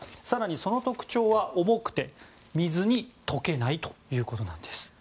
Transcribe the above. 更にその特徴は重くて、水に溶けないということなんです。